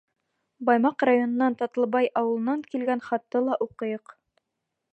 Баймаҡ районының Татлыбай ауылынан килгән хатты ла уҡыйыҡ.